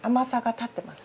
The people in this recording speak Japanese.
立ってます。